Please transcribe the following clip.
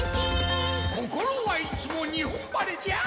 心はいつも日本晴れじゃ。